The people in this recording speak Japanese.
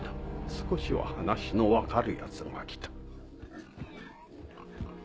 少しは話の分かる奴が来た。